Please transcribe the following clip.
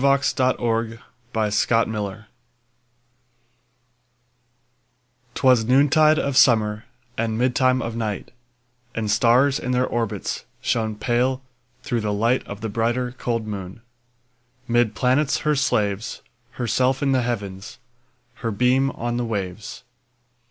1827 Evening Star 'Twas noontide of summer, And midtime of night, And stars, in their orbits, Shone pale, through the light Of the brighter, cold moon. 'Mid planets her slaves, Herself in the Heavens, Her beam on the waves.